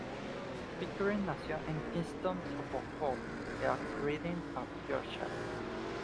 Pickering nació en Kingston upon Hull, East Riding of Yorkshire.